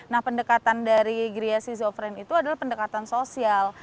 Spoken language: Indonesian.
nah pendekatan dari gria shizofren itu adalah pendekatan sosial